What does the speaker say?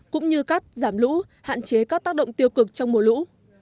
cũng như cắt giảm lũ hạn chế các tác động tiêu cực trong mùa lũ